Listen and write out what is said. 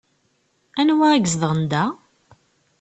Anwa i izedɣen da?